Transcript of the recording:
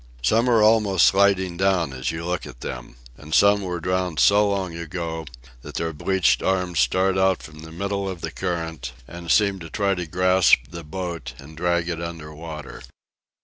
Some are almost sliding down, as you look at them. And some were drowned so long ago, that their bleached arms start out from the middle of the current, and seem to try to grasp the boat, and drag it under water.